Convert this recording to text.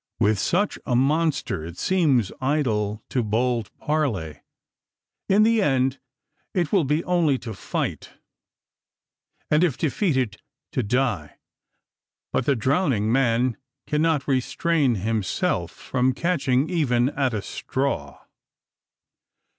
With such a monster, it seems idle to bold parley. In the end, it will be only to fight, and if defeated, to die. But the drowning man cannot restrain himself from catching even at a straw.